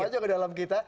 utama juga dalam kita